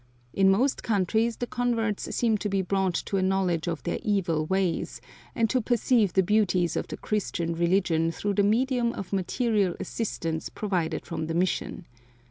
In most countries the converts seem to be brought to a knowledge of their evil ways, and to perceive the beauties of the Christian religion through the medium of material assistance provided from the mission.